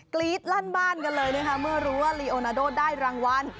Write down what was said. รี๊ดลั่นบ้านกันเลยนะคะเมื่อรู้ว่าลีโอนาโดได้รางวัล